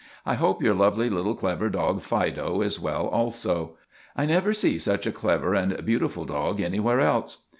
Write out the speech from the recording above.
I hope your lovely, little clever dog, 'Fido,' is well also. I never see such a clever and beautiful dog anywhere else.